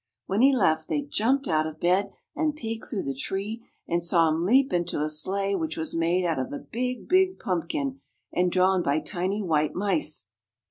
When he left they jumped out of bed, and peeked through the tree, and saw him leap into a sleigh which was made out of a big, big pumpkin and drawn by tiny white mice.